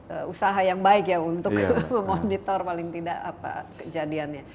nah ini memang satu usaha yang baik ya untuk memonitor paling tidak kejadiannya